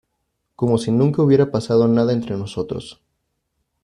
como si nunca hubiera pasado nada entre nosotros.